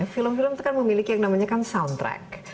film film itu kan memiliki yang namanya kan soundtrack